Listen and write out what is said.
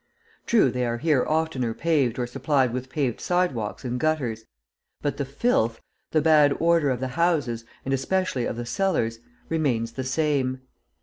True, they are here oftener paved or supplied with paved sidewalks and gutters; but the filth, the bad order of the houses, and especially of the cellars, remains the same.